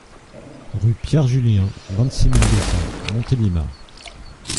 Rue Pierre Julien, vingt-six mille deux cents Montélimar